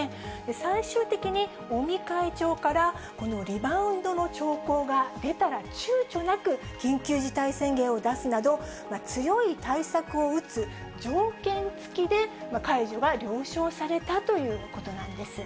最終的に尾身会長から、このリバウンドの兆候が出たらちゅうちょなく緊急事態宣言を出すなど、強い対策を打つ条件付きで解除が了承されたということなんです。